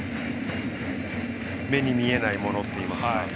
目に見えないものっていいますか。